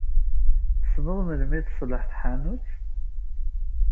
Tessned melmi tṣelleḥ taḥnut?